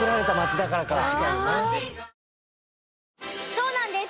そうなんです